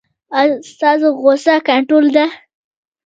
ایا ستاسو غوسه کنټرول ده؟